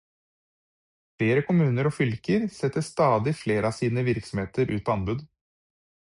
Flere kommuner og fylker setter stadig flere av sine virksomheter ut på anbud.